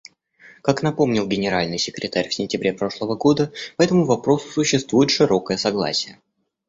Как напомнил Генеральный секретарь в сентябре прошлого года, по этому вопросу существует широкое согласие.